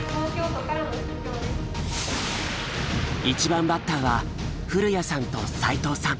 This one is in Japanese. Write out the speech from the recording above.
１番バッターは古谷さんと齋藤さん。